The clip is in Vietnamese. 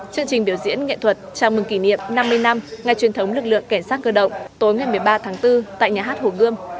chương trình biểu diễn nghệ thuật chào mừng kỷ niệm năm mươi năm ngày truyền thống lực lượng cảnh sát cơ động tối ngày một mươi ba tháng bốn tại nhà hát hồ gươm